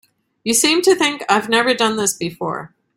You seem to think I've never done this before.